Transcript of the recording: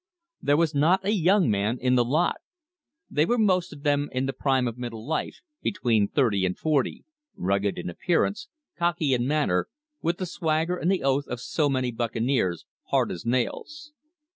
There was not a young man in the lot. They were most of them in the prime of middle life, between thirty and forty, rugged in appearance, "cocky" in manner, with the swagger and the oath of so many buccaneers, hard as nails.